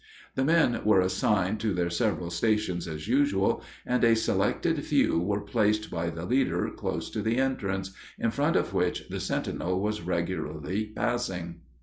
The men were assigned to their several stations as usual, and a selected few were placed by the leader close to the entrance, in front of which the sentinel was regularly passing.